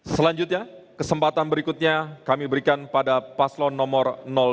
selanjutnya kesempatan berikutnya kami berikan pada paslon nomor dua